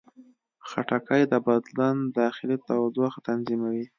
خټکی د بدن داخلي تودوخه تنظیموي.